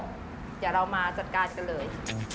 เดี๋ยวเรามาจัดการกันเลย